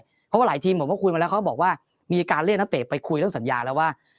เพราะว่าหลายทีมผมก็คุยมาแล้วเขาบอกว่ามีการเรียกนักเตะไปคุยเรื่องสัญญาแล้วว่า